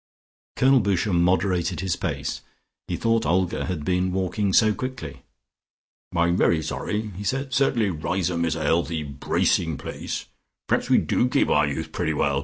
Colonel Boucher moderated his pace. He thought Olga had been walking so quickly. "I'm very sorry," he said. "Certainly Riseholme is a healthy bracing place. Perhaps we do keep our youth pretty well.